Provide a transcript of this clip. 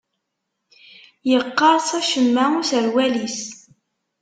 Yeqqers acemma userwal-is.